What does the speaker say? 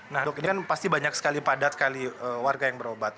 nah dok ini kan pasti banyak sekali padat sekali warga yang berobat